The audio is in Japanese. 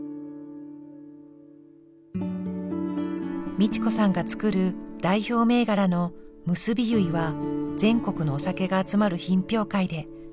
美智子さんが造る代表銘柄の結ゆいは全国のお酒が集まる品評会で金賞を受賞。